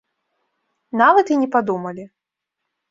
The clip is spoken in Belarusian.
Нават і не падумалі.